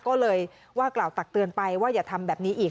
ก็เลยว่ากล่าวตักเตือนไปว่าอย่าทำแบบนี้อีก